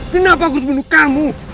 kenapa aku harus bunuh kamu